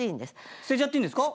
捨てちゃっていいんですか？